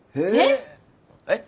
えっ！？